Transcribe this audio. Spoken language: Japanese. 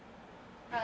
はい。